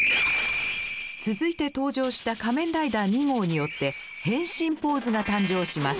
続いて登場した仮面ライダー２号によって変身ポーズが誕生します。